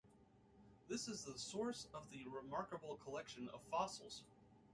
This is the source of the remarkable collection of fossils.